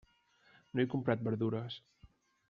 No he comprat verdures.